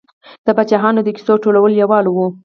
د پاچاهانو د کیسو ټولولو لېواله و.